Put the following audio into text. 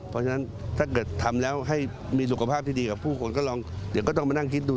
เพราะฉะนั้นถ้าเกิดทำแล้วมีการสุขภาพดีกับผู้คนก็ต้องมานั่งคิดดู